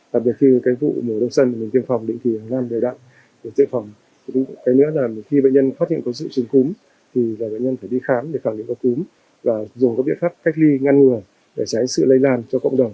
đặc biệt khi vụ mùa đông sân mình tiêm phòng định kỳ hàng năm đều đặn để tiêm phòng cái nữa là khi bệnh nhân phát hiện có sự trình cúm thì bệnh nhân phải đi khám để phản định có cúm và dùng các biện pháp cách ly ngăn ngừa để tránh sự lây lan cho cộng đồng